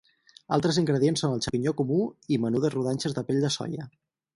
Altres ingredients són el xampinyó comú i menudes rodanxes de pell de soia.